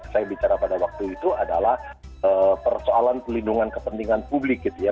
saya bicara pada waktu itu adalah persoalan pelindungan kepentingan publik gitu ya